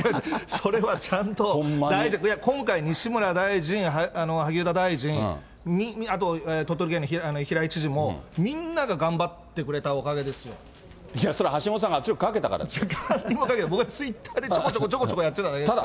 それはちゃんと、今回、西村大臣、萩生田大臣、あと、鳥取県の平井知事も、みんなが頑張ってくれたおかいやそれは、なんにもかけてない、僕はツイッターでちょこちょこやってただけ。